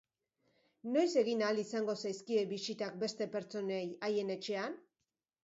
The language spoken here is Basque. Noiz egin ahal izango zaizkie bisitak beste pertsonei haien etxean?